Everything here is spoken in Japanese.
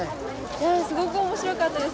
いやすごく面白かったです